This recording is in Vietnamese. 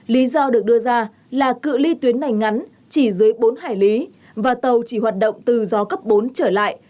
lý do được đưa ra là cự li tuyến này ngắn chỉ dưới bốn hải lý và tàu chỉ hoạt động từ gió cấp bốn trở lại